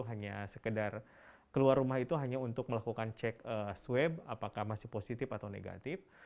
hanya sekedar keluar rumah itu hanya untuk melakukan cek swab apakah masih positif atau negatif